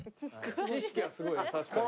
知識はすごい確かに。